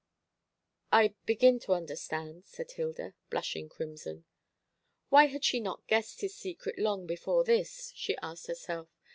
"I begin to understand," said Hilda, blushing crimson. Why had she not guessed his secret long before this? she asked herself.